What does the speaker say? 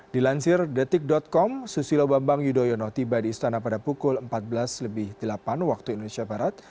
dilansir detik com susilo bambang yudhoyono tiba di istana pada pukul empat belas lebih delapan waktu indonesia barat